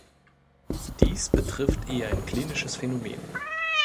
Dies betrifft eher ein klinisches Phänomen.